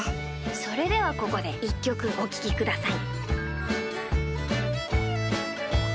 それではここで１きょくおききください。